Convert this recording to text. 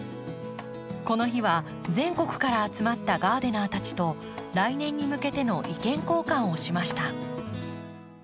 この日は全国から集まったガーデナーたちと来年に向けての意見交換をしました。